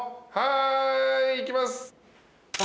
はいいきます。